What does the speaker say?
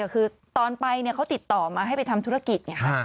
คือตอนไปเขาติดต่อมาให้ไปทำธุรกิจไง